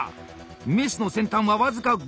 メスの先端は僅か５ｍｍ。